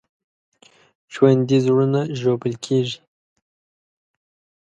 ژوندي زړونه ژوبل کېږي